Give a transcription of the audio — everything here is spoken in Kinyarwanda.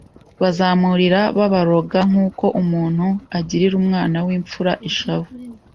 bazamuririra baboroga nk'uko umuntu agirira umwana w'imfura ishavu